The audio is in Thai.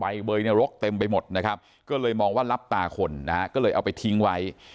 วายเบย์ในโลกเต็มไปหมดก็เลยมองว่าล้ำตาขนก็เลยเอาไปทิ้งไว้